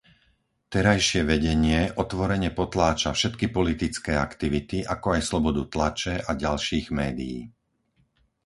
Terajšie vedenie otvorene potláča všetky politické aktivity, ako aj slobodu tlače a ďalších médií.